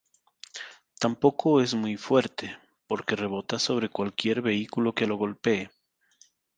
Tampoco es muy fuerte, porque rebota sobre cualquier vehículo que lo golpee.